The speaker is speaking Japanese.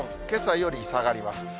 けさより下がります。